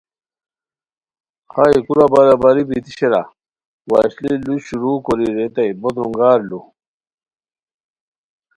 خائے کورا برابری بیتی شیرا؟ وشلی ُ لو شروع کوری ریتائے بو درونگار لوُ